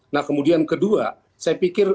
nah kemudian kedua saya pikir